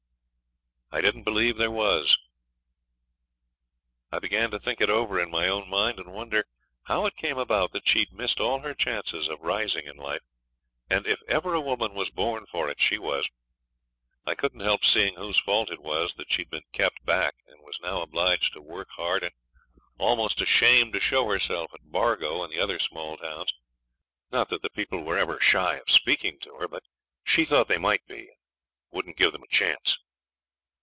I didn't believe there was. I began to think it over in my own mind, and wonder how it came about that she'd missed all her chances of rising in life, and if ever a woman was born for it she was. I couldn't help seeing whose fault it was that she'd been kept back and was now obliged to work hard, and almost ashamed to show herself at Bargo and the other small towns; not that the people were ever shy of speaking to her, but she thought they might be, and wouldn't give them a chance.